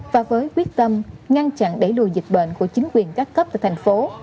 và với quyết tâm ngăn chặn đẩy lùi dịch bệnh của chính quyền các cấp tại thành phố